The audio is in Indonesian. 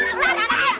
tarik tarik tarik